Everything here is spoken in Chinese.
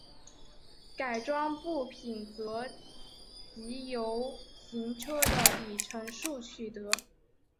改装部品则藉由行车的里程数取得。